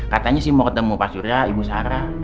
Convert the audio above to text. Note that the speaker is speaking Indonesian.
katanya sih mau ketemu pak surya ibu sarah